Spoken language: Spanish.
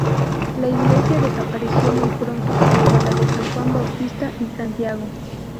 La iglesia desapareció muy pronto, junto a la de San Juan Bautista y Santiago.